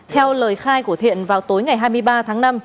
theo lời khai của thiện vào tối ngày hai mươi ba tháng năm